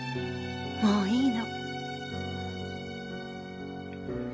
もういいの。